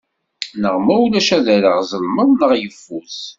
Neɣ ma ulac ad rreɣ zelmeḍ neɣ yeffus.